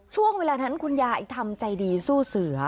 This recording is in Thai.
ช่วงเวลานั้นคุณยายทำใจดีสู้เสือ